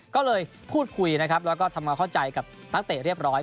ก็เลยพูดคุยนะครับแล้วก็ทำความเข้าใจกับนักเตะเรียบร้อย